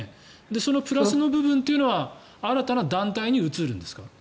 そのプラスの部分というのは新たな団体に移るんですか？